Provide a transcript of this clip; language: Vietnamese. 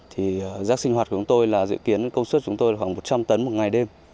thì rác sinh hoạt của chúng tôi là dự kiến công suất chúng tôi là khoảng một trăm linh tấn một ngày đêm